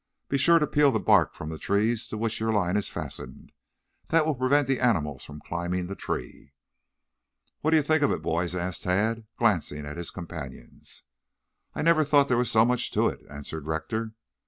Be sure to peel the bark from the trees to which your line is fastened. That will prevent the animals from climbing the tree." "What do you think of it, boys?" asked Tad, glancing at his companions. "I never thought there was so much to it," answered Rector.